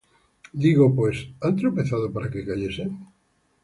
Digo pues: ¿Han tropezado para que cayesen?